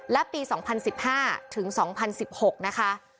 และปี๒๐๑๕ถึง๒๐๑๖นะคะ